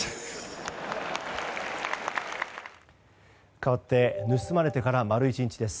かわって盗まれてから丸１日です。